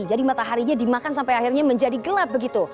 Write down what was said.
jadi mataharinya dimakan sampai akhirnya menjadi gelap begitu